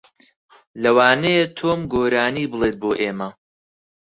لەوانەیە تۆم گۆرانی بڵێت بۆ ئێمە.